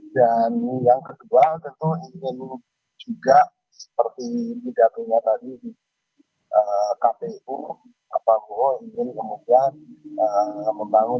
dan yang kedua tentu ingin juga seperti pidatunya tadi di kpu prabowo ingin kemudian membangun